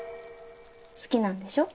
好きなんでしょ？